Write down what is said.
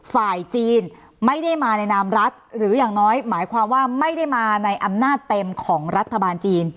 ฝ่ายจีนไม่ได้มาในนามรัฐหรืออย่างน้อยหมายความว่าไม่ได้มาในอำนาจเต็มของรัฐบาลจีน